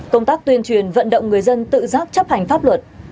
công tác tuyên truyền vận động người dân tự giác chấp hành pháp luật